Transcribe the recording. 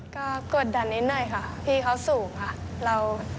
ก็กดดันนิดค่ะพี่เขาสูงอ่ะ